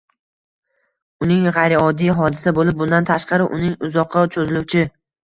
uchun g‘ayrioddiy hodisa bo‘lib, bundan tashqari uning uzoqqa cho‘ziluvchi